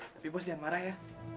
tapi bos jangan marah ya